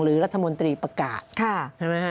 หรือรัฐมนตรีประกาศเห็นไหมคะ